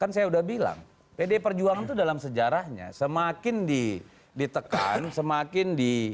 kan saya udah bilang pdi perjuangan itu dalam sejarahnya semakin ditekan semakin di